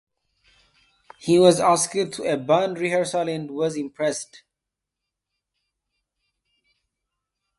He was asked to a band rehearsal and was impressed.